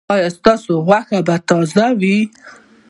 ایا ستاسو غوښه به تازه وي؟